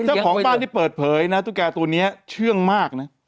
เจ้าของบ้านที่เปิดเผยนะตุ๊กแก่ตัวนี้เชื่องมากนะ